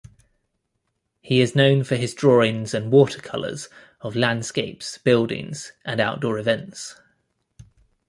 He is known for his drawings and watercolours of landscapes, buildings and outdoor events.